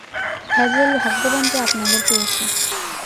Hazel ভাগ্যবান যে আপনাদের পেয়েছে।